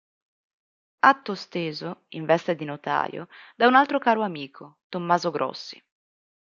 Atto steso, in veste di notaio, da un altro caro amico, Tommaso Grossi.